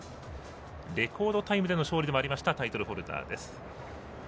レコードタイムでの勝利でもありましたタイトルホルダーです。